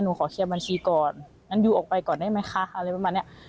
หนูขอเคลียร์บัญชีก่อนอยู่ออกไปก่อนได้ไหมคะอะไรแบบนี้